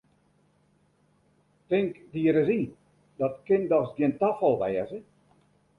Tink dy ris yn, dat kin dochs gjin tafal wêze!